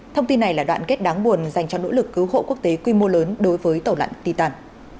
thông tin này là đoạn kết đáng buồn dành cho nỗ lực cứu hộ quốc tế quy mô lớn đối với tàu lặn titan